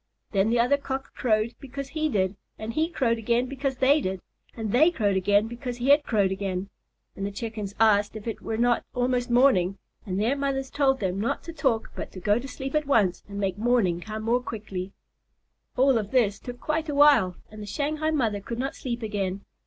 Then the other Cocks crowed because he did and he crowed again because they did, and they crowed again because he had crowed again, and the Chickens asked if it were not almost morning, and their mothers told them not to talk but to go to sleep at once and make morning come more quickly. All of this took quite a while, and the Shanghai mother could not sleep again.